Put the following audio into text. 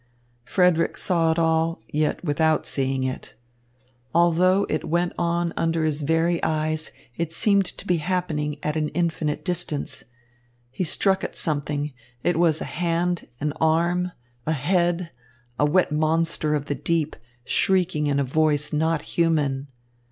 Frederick saw it all, yet without seeing it. Although it went on under his very eyes, it seemed to be happening at an infinite distance. He struck at something. It was a hand, an arm, a head, a wet monster of the deep, shrieking in a voice not human.